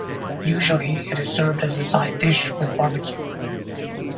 Usually, it is served as a side dish with barbecue.